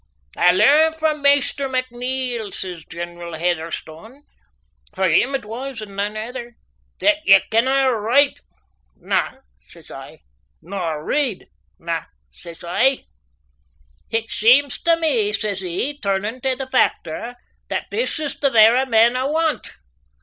"I learn frae Maister McNeil," says General Heatherstone for him it was and nane ither "that ye canna write." "Na," says I. "Nor read?" "Na," says I. "It seems tae me," says he, turnin' tae the factor, "that this is the vera man I want.